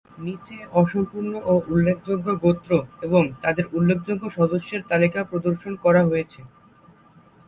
নিচে অসম্পূর্ণ ও উল্লেখযোগ্য গোত্র এবং তাদের উল্লেখযোগ্য সদস্যদের তালিকা প্রদর্শন করা হয়েছে।